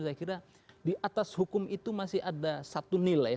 saya kira di atas hukum itu masih ada satu nilai